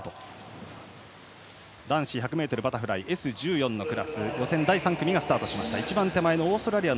男子１００ｍバタフライＳ１４のクラス予選第３組がスタートしました。